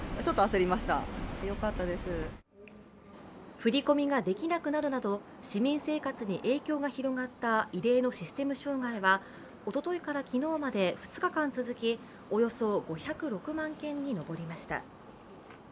振り込みができなくなるなど市民生活に影響が広がった異例のシステム障害は、おとといから昨日まで２日間続き、およそ５０６万件に上りました。